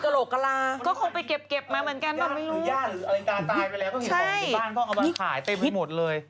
เป็นบนคาตายไปแล้วเห็นบางบูธิบ้านออกไปขายเต็มไปหมดเลย